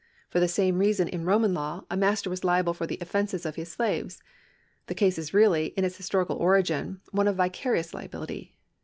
For the same reason in Roman law a master was liable for the ofEences of his slaves. The case is really, in its historical origin, one of vicarious liability.